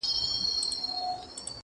بې تقصیره ماتوې پاکي هینداري له غباره,